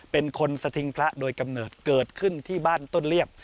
เป็นคนสถิงพระโดยกำเนิดเกิดขึ้นที่บ้านต้นเรียบ